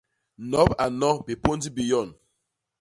Nop a nno, bipôndi bi nyon.